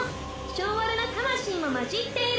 性悪な魂も混じっている。